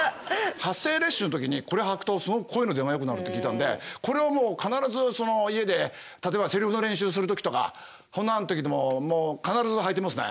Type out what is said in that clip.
発声練習の時にこれ履くとすごく声の出がよくなるって聞いたんでこれはもう必ずその家で例えばセリフの練習する時とかほんなん時でももう必ず履いてますね。